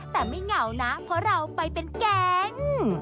แต่ไม่เหงานะเพราะเราไปเป็นแก๊ง